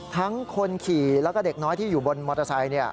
ทั้งคนขี่และเด็กน้อยที่อยู่บนมอเตอร์ไซค์เนี่ย